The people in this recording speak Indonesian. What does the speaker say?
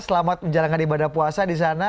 selamat menjalankan ibadah puasa di sana